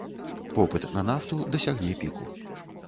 Попыт на нафту дасягне піку.